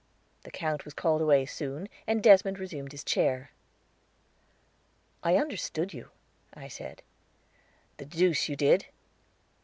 The Count was called away soon, and Desmond resumed his chair. "I understood you," I said. "The deuce you did."